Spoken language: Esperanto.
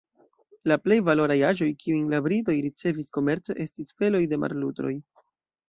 La plej valoraj aĵoj kiujn la Britoj ricevis komerce estis feloj de mar-lutroj.